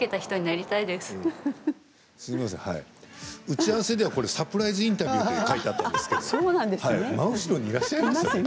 打ち合わせではこれサプライズインタビューって書いてあったんですけど真後ろにいらっしゃいましたね。